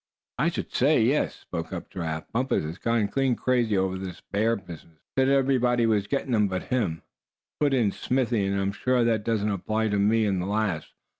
"I should say, yes," spoke up Giraffe. "Bumpus has gone clean crazy over this bear business." "Said everybody was getting them but him," put in Smithy; "and I'm sure that doesn't apply to me in the least.